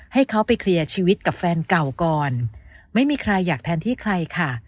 ให้เขาไปเคลียร์ชีวิตกับแฟนเก่าก่อนไม่มีใครอยากแทนที่ใครค่ะ